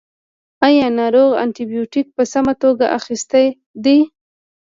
ایا ناروغ انټي بیوټیک په سمه توګه اخیستی دی.